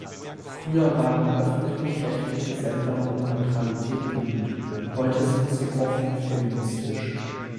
Früher waren öffentlich-rechtliche Sender um Neutralität bemüht, heute sind sie offen feministisch.